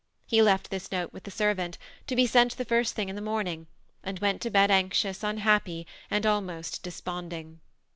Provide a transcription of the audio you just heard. He left this note with his servant, to be sent the first thing in the morning, and went to bed anxious, unhappy, and almost de sponding.